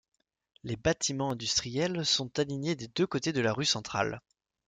Les bâtiments industriels sont alignés des deux côtés de la rue centrale.